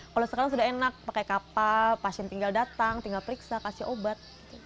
kalau sekarang sudah enak pakai kapal pasien tinggal datang tinggal periksa kasih obat